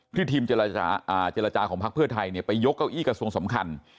ที่ทีมเจรจาอ่าเจรจาของพักเพื่อไทยเนี้ยไปยกเอ้าอี้กับส่วนสำคัญ